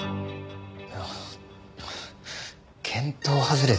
いや見当外れですよ。